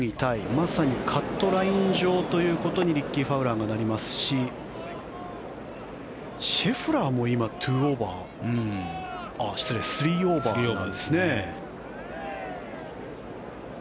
まさにカットライン上ということにリッキー・ファウラーがなりますしシェフラーも今３オーバーですね。